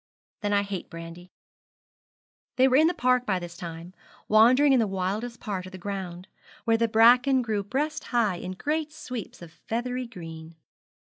'Then I hate brandy.' They were in the park by this time, wandering in the wildest part of the ground, where the bracken grew breast high in great sweeps of feathery green.